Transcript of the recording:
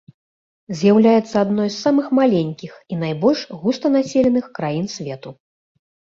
З'яўляецца адной з самых маленькіх і найбольш густанаселеных краін свету.